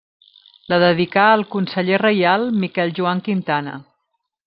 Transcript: La dedicà al conseller reial Miquel Joan Quintana.